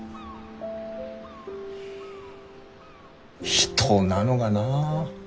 人なのがなあ。